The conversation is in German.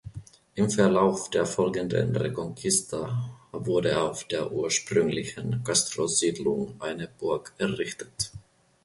Im Verlauf der folgenden Reconquista wurde auf der ursprünglichen Castro-Siedlung eine Burg errichtet.